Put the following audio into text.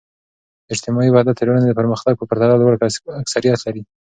اجتماعي وحدت د ټولنې د پرمختګ په پرتله لوړ اکثریت لري.